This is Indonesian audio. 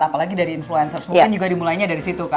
apalagi dari influencer mungkin juga dimulainya dari situ